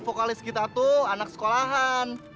vokalis kita tuh anak sekolahan